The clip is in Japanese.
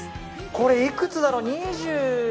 これいくつだろう？